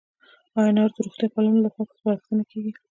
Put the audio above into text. انار د روغتیا پالانو له خوا سپارښتنه کېږي.